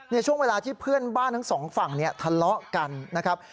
ในช่วงเวลาที่เพื่อนบ้านทั้งสองฝั่งเนี่ยทะเลาะกันนะครับ